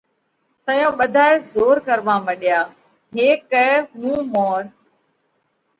تئيون ٻڌائي زور ڪروا مڏيا هيڪ ڪئہ هُون مور